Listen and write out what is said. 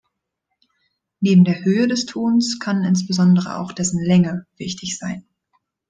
Neben der Höhe des Tons kann insbesondere auch dessen Länge wichtig sein.